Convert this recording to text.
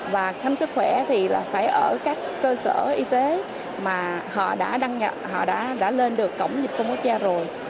và khám sức khỏe thì phải ở các cơ sở y tế mà họ đã lên được cổng dịch vụ công quốc gia rồi